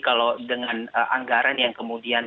kalau dengan anggaran yang kemudian